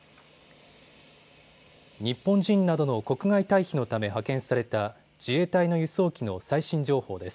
日本人などの国外退避のため派遣された自衛隊の輸送機の最新情報です。